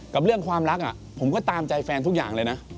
กับเรื่องความรักผมก็ตามใจแฟนทุกอย่างเลยนะ